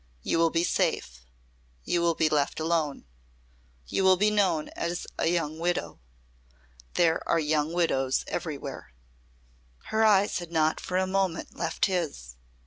You will be safe. You will be left alone. You will be known as a young widow. There are young widows everywhere." Her eyes had not for a moment left his.